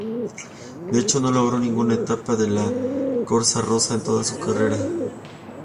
De hecho, no logró ninguna etapa de la corsa rosa en toda su carrera.